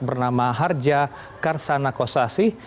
bernama harja karsana kossasi